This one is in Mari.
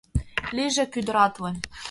Лийже кӱдыратле